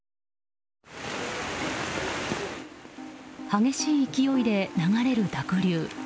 激しい勢いで流れる濁流。